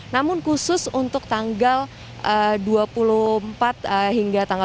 namun khusus untuk tanggal dua puluh empat hingga tanggal dua puluh tujuh